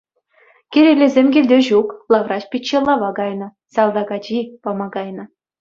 Кирилесем килте ҫук, Лавраҫ пичче лава кайнӑ, салтак ачи пама кайнӑ.